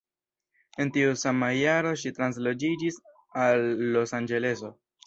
En tiu sama jaro ŝi transloĝiĝis al Losanĝeleso.